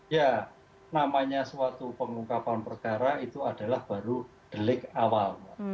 ya namanya suatu pengungkapan perkara itu adalah baru delik awal